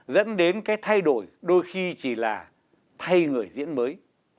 dẫn đến cái thay đổi đôi khi chỉ là thay người diễn mới